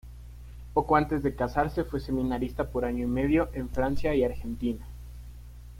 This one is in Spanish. Poco antes de casarse fue seminarista por año y medio en Francia y Argentina.